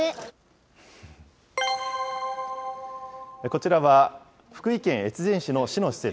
こちらは、福井県越前市の市の施設。